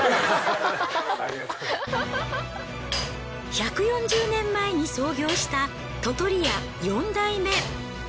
１４０年前に創業した砥取家４代目。